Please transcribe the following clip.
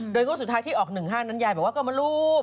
โดยงวดสุดท้ายที่ออก๑๕นั้นยายบอกว่าก็มาลูก